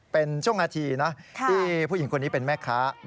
เป็นช่วงนาทีนะที่ผู้หญิงคนนี้เป็นแม่ค้า